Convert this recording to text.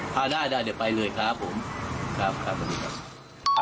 ถ้าได้ได้เดี๋ยวไปเลยครับผมครับครับสวัสดีครับ